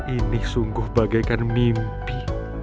ini sungguh bagaikan mimpi